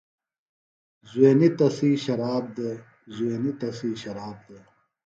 زُوینیۡ تسی شراب دےۡ زُوینی تسی شراب دےۡ۔